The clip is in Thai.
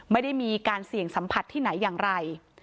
ไม่ได้มีการเสี่ยงสัมผัสที่ไหนอย่างไร